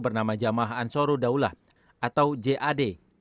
bernama jamaah ansoro daulah atau jad